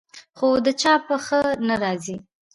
خو د چا په ښه نه راځي.